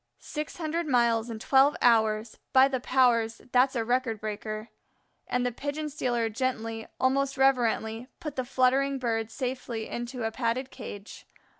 "Six hundred miles in twelve hours! By the powers, that's a record breaker." And the pigeon stealer gently, almost reverently, put the fluttering Bird safely into a padded cage.